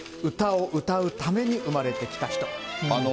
歌を歌うために生まれてきた人。